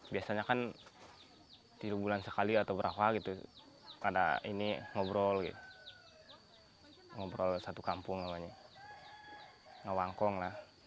biasanya kan di bulan sekali atau berapa ada ini ngobrol ngobrol satu kampung namanya